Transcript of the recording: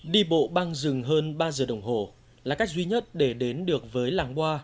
đi bộ băng rừng hơn ba giờ đồng hồ là cách duy nhất để đến được với làng hoa